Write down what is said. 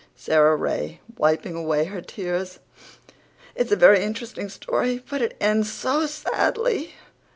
SARA RAY, WIPING AWAY HER TEARS: "It's a very interesting story, but it ends SO sadly."